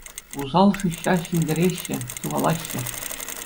Усал шыҫҫа ҫӗнтереҫҫӗ, сывалаҫҫӗ.